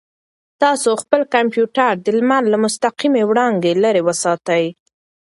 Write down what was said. تاسو خپل کمپیوټر د لمر له مستقیمې وړانګې لرې وساتئ.